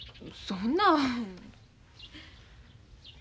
そんな。